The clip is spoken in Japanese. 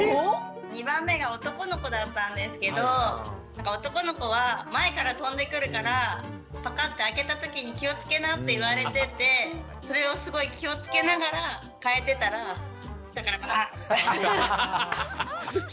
２番目が男の子だったんですけど「男の子は前から飛んでくるからパカって開けた時に気をつけな」って言われててそれをすごい気をつけながら替えてたら下からバーンみたいな。